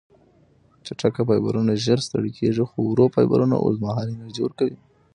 چټک فایبرونه ژر ستړې کېږي، خو ورو فایبرونه اوږدمهاله انرژي ورکوي.